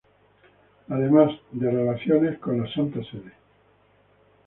Además, de relaciones con la Santa Sede.